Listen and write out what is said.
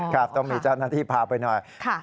ครับต้องมีเจ้าหน้าที่พาไปหน่อย